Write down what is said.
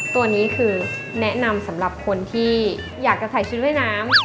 ตัวนี้คือแนะนำสำหรับคนที่อยากจะใส่ชุดว่ายน้ำ